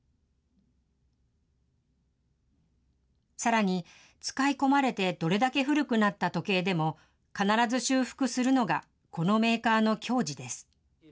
さらに、使い込まれてどれだけ古くなった時計でも、必ず修復するのがこのメーカーのきょうじです。